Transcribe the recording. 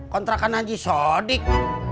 kontrakan aja sodik